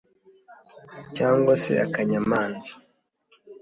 cyangwa se akanyamanza